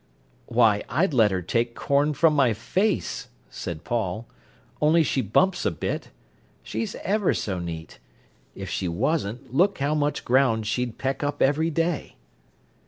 "Why, I'd let her take corn from my face," said Paul, "only she bumps a bit. She's ever so neat. If she wasn't, look how much ground she'd peck up every day."